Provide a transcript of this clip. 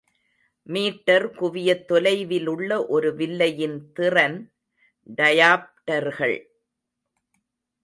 Metre குவியத் தொலைவிலுள்ள ஒரு வில்லையின் திறன் டயாப்டர்கள்.